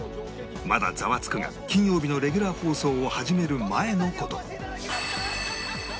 まだ『ザワつく！』が金曜日のレギュラー放送を始める前の事